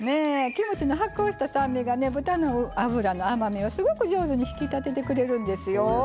キムチの発酵した酸味が豚肉のうまみをすごく上手に引き立ててくれるんですよ。